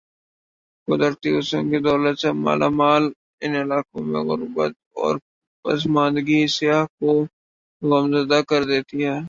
قدرتی حسن کی دولت سے مالا مال ان علاقوں میں غر بت اور پس ماندگی سیاح کو غم زدہ کر دیتی ہے ۔